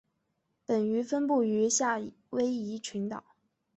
本鱼分布于夏威夷群岛。